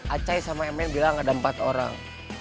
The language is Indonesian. acai sama mn bilang ada empat orang